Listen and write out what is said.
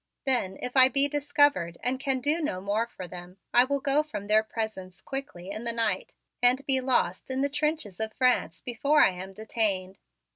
Then, if I be discovered and can do no more for them, I will go from their presence quickly in the night and be lost in the trenches of France before I am detained.